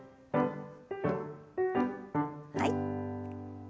はい。